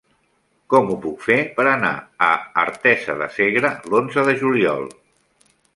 Com ho puc fer per anar a Artesa de Segre l'onze de juliol?